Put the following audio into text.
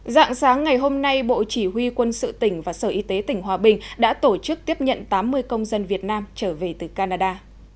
dạng sáng ngày hôm nay bộ chỉ huy quân sự tỉnh và sở y tế tỉnh hòa bình đã tổ chức tiếp nhận tám mươi công dân việt nam trở về từ canada